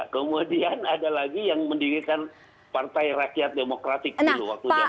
kemudian ada lagi yang mendirikan partai rakyat demokratik dulu